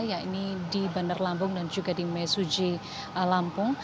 yaitu di bandar lampung dan juga di mesuji lampung